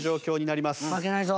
負けないぞ！